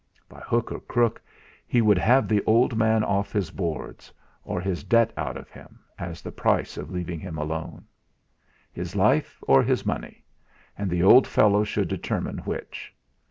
By hook or crook he would have the old man off his Boards, or his debt out of him as the price of leaving him alone. His life or his money and the old fellow should determine which.